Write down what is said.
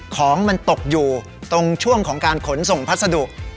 ของมันตกอยู่ตรงช่วงของการขนส่งพัสดุ